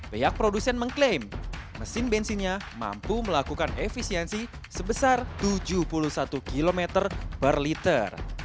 pihak produsen mengklaim mesin bensinnya mampu melakukan efisiensi sebesar tujuh puluh satu km per liter